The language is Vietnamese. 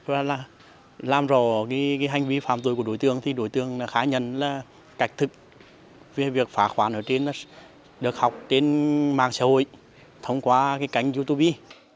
nếu là làm rõ hành vi phạm tuổi của đối tượng thì đối tượng khá nhận là cạch thực về việc phá khoản ở trên được học trên mạng xã hội thông qua cái cánh youtube